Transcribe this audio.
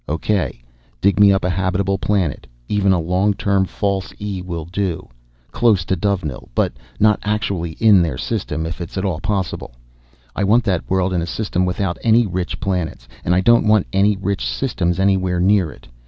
"O.K., dig me up a habitable planet even a long term False E will do close to Dovenil, but not actually in their system. If it's at all possible, I want that world in a system without any rich planets. And I don't want any rich systems anywhere near it.